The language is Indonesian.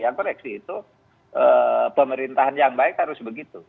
yang koreksi itu pemerintahan yang baik harus begitu